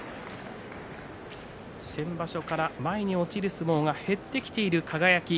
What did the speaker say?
先場所から前に落ちる相撲が減ってきている輝。